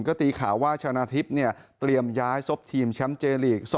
ก็ตีข่าวว่าชนะทิพย์เตรียมย้ายซบทีมแชมป์เจลีก๒๐